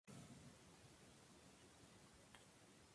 Examen filológico de algunos documentos de la Catedral de Salamanca".